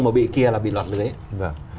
mà bị kia là bị luật được đấy